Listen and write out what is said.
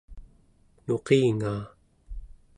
nuqingaa